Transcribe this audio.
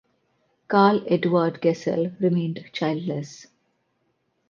Carl Eduard Gesell remained childless.